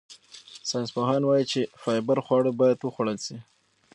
ساینسپوهان وايي چې فایبر خواړه باید وخوړل شي.